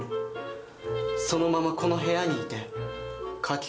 そのままこの部屋にいて書き込みをする。